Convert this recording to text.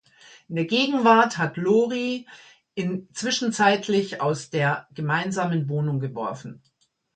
In der Gegenwart hat Lorie in zwischenzeitlich aus der gemeinsamen Wohnung geworfen.